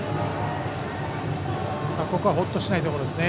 ここはほっとしないところですね。